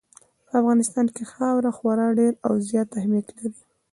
په افغانستان کې خاوره خورا ډېر او زیات اهمیت لري.